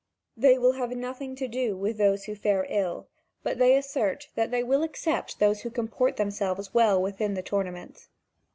They will have nothing to do with those who fare ill, but they assert that they will accept those who comport themselves well in the tournament.